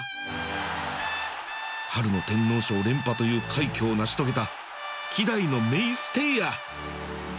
春の天皇賞連覇という快挙を成し遂げた希代の名ステイヤー！